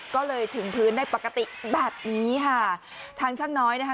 ก็เลยถึงพื้นได้ปกติแบบนี้ค่ะทางช่างน้อยนะคะ